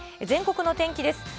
全国の天気です。